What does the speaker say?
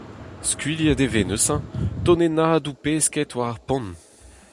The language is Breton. Skuilhet e vez neuze tonennadoù pesked war ar pont.